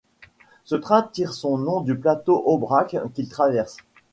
Ce train tire son nom du plateau Aubrac qu'il traverse.